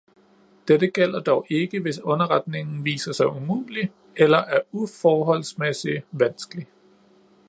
Dette gælder dog ikke, hvis underretningen viser sig umulig eller er uforholdsmæssigt vanskelig